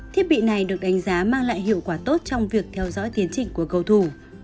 thiết bị này được đánh giá mang lại hiệu quả tốt trong việc theo dõi tiến trình của cầu thủ